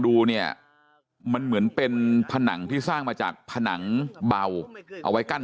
ดูเนี่ยมันเหมือนเป็นผนังที่สร้างมาจากผนังเบาเอาไว้กั้น